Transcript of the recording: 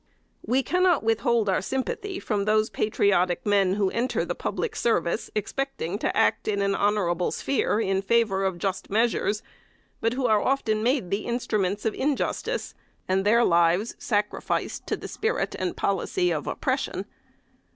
We cannot withhold our sympathy from those patriotic men who enter the public service expecting to act in an honorable sphere in favor of just measures; but who are often made the instruments of injustice, and their lives sacrificed to the spirit and policy of oppression.